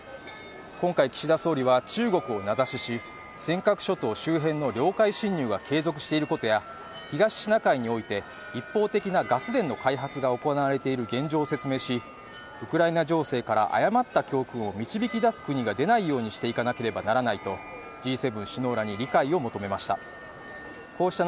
今回、岸田総理は中国を名指しし、尖閣諸島周辺の領海侵入は継続していることや東シナ海において一方的なガス田の開発が行われている現状を説明しウクライナ情勢から誤った教訓を導き出す国が出ないようにしていかなければならないとＧ７首脳らに理解を求めました。